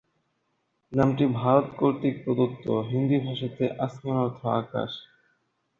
নামটি ভারত কর্তৃক প্রদত্ত, হিন্দি ভাষাতে আসমান অর্থ আকাশ।